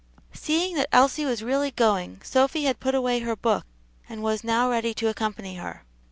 Seeing that Elsie was really going, Sophy had put away her book, and was now ready to accompany her.